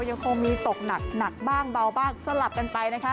ยังคงมีตกหนักบ้างเบาบ้างสลับกันไปนะคะ